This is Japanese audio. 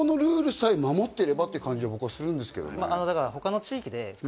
そこのルールさえ守っていればという感じが僕はするんですけど。